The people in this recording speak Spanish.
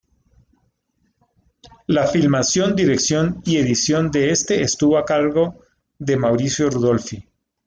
La filmación, dirección y edición de este estuvo a cargo de Mauricio Rudolphy.